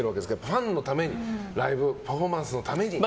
ファンのために、ライブパフォーマンスのためにって。